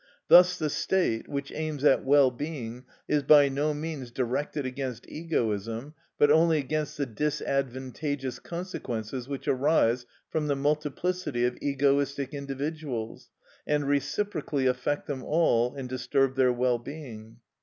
Thus the state, which aims at well being, is by no means directed against egoism, but only against the disadvantageous consequences which arise from the multiplicity of egoistic individuals, and reciprocally affect them all and disturb their well being.